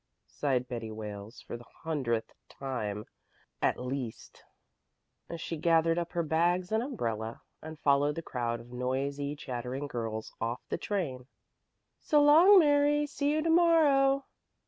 sighed Betty Wales for the hundredth time at least, as she gathered up her bags and umbrella, and followed the crowd of noisy, chattering girls off the train. "So long, Mary. See you to morrow."